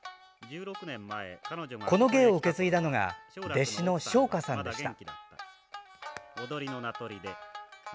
この芸を受け継いだのが弟子の正華さんでした。